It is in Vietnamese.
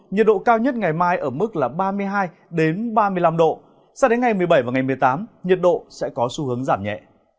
nhiệt độ cao nhất ngày mai ở mức là ba mươi hai ba mươi năm độ sao đến ngày một mươi bảy và ngày một mươi tám nhiệt độ sẽ có xu hướng giảm nhẹ